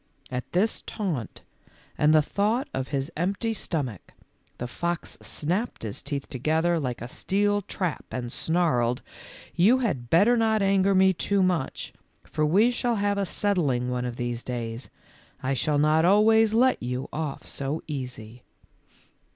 At this taunt and the thought of his empty stom ach, the fox snapped his teeth together like a steel trap and snarled, w You had better not anger me too much, for we shall have a settling one of these days. I shall not always let you off so easy."